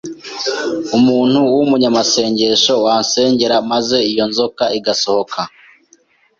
umuntu w’umunyamasengesho wansengera maze iyo nzoka igasohoka,